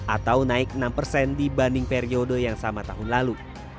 atau naik enam persen dibanding periode yang sama tahun lalu